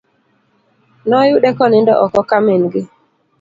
Noyude konindo oko ka min gi.